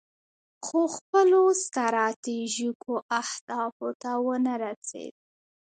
خو خپلو ستراتیژیکو اهدافو ته ونه رسید.